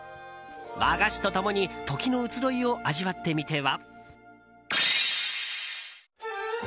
和菓子と共に時の移ろいを味わってみては？